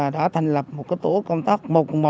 đã thành lập một tổ công tác một một